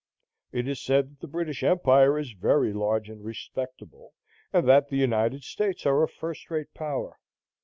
It is said that the British Empire is very large and respectable, and that the United States are a first rate power.